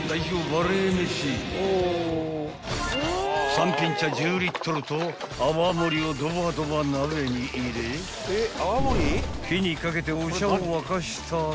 ［さんぴん茶１０リットルと泡盛をドバドバ鍋に入れ火にかけてお茶を沸かしたら］